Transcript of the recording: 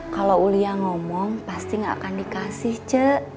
kalau uli yang ngomong pasti gak akan dikasih c